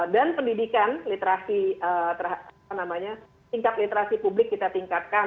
dan pendidikan tingkat literasi publik kita tingkatkan